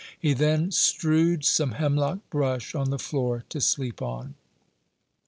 He then strewed some hemlock brush on the floor to sleep on.